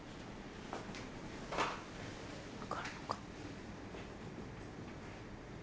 分かるのかな？